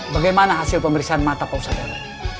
bagaimana hasil pemeriksaan mata pak ustadz rw